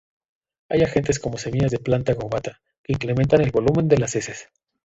Hay agentes como semillas de "Plantago ovata" que incrementan el volumen de las heces.